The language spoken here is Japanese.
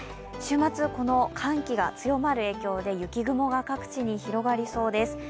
週末、この寒気が強まる影響で雪雲が各地に広がりそうです。